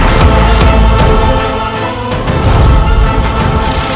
kau akan menang